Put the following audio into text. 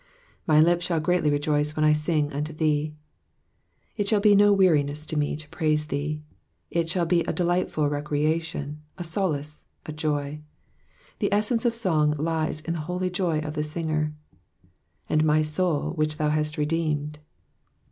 23. *'J/y lips sJiall greatly rejoice when 1 sing unto thee,'*'* It shall be no weariness to me to praise thee. It shall be a delightful recreation, a solace, a joy. The essence of song lies in the holy joy of the singer. ^'Andmy soul, which thou hast redeemed.''''